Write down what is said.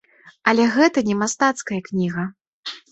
Але гэта не мастацкая кніга.